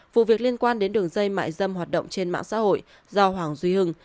vụ việc liên quan đến đường dây mại dâm hoạt động trên mạng xã hội do hoàng duy hưng